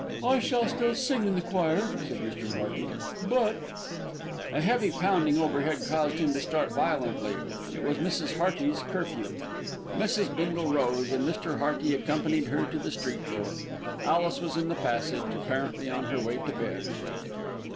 "I shall still sing in the choir," said Mr. Hearty; "but " A heavy pounding overhead caused him to start violently. It was Mrs. Hearty's curfew. Mrs. Bindle rose and Mr. Hearty accompanied her to the street door. Alice was in the passage, apparently on her way to bed.